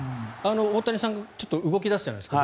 大谷さんがブルペンに動き出すじゃないですか。